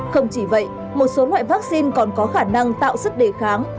không chỉ vậy một số loại vaccine còn có khả năng tạo sức đề kháng